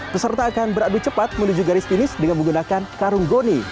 peserta akan beradu cepat menuju garis finish dengan menggunakan karung goni